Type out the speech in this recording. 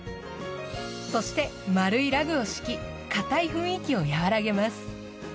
そして丸いラグを敷き硬い雰囲気をやわらげます。